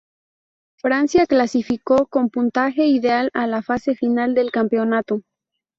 Francia clasificó con puntaje ideal a la fase final del campeonato.